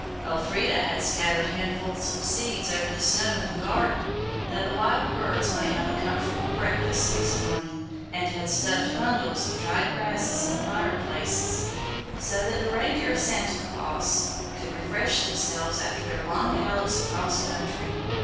Elfrida had scattered handfuls of seeds over the snow in the garden, that the wild birds might have a comfortable breakfast next morning, and had stuffed bundles of dried grasses in the fireplaces, so that the reindeer of Santa Claus could refresh themselves after their long gallops across country.